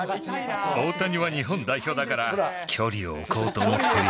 大谷は日本代表だから、距離を置こうと思ってるよ。